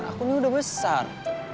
aku ini udah besar